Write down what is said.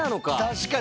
確かに。